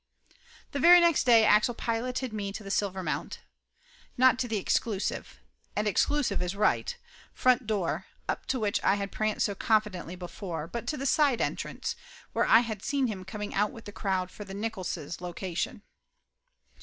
The very next day Axel piloted me to the Silver mount. Not to the exclusive and exclusive is right front door, up to which I had pranced so confidently before, but to the side entrance, where I had seen him coming out with the crowd for the Nickolls' location.